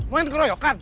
mau yang keroyokan